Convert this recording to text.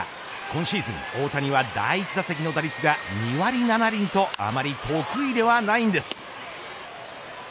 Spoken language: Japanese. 今シーズン大谷は第１打席の打率が２割７厘とあまり得意ではないんです。